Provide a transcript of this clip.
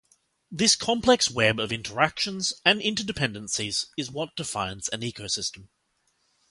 This complex web of interactions and interdependencies is what defines an ecosystem.